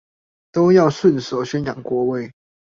都要順手宣揚國威